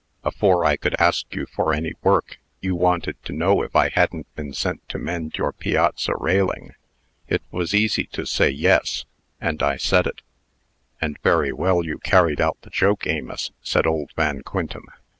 Afore I could ask you for any work, you wanted to know if I hadn't been sent to mend your piazza railing. It was easy to say 'Yes,' and I said it." "And very well you carried out the joke, Amos," said old Van Quintem.